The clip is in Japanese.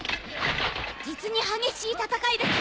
実に激しい戦いです。